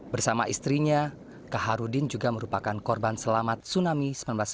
bersama istrinya kaharudin juga merupakan korban selamat tsunami seribu sembilan ratus sembilan puluh